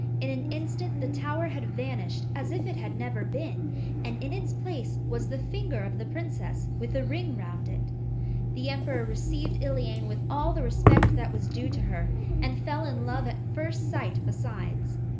In an instant the tower had vanished as if it had never been, and in its place was the finger of the princess with a ring round it. The emperor received Iliane with all the respect that was due to her, and fell in love at first sight besides.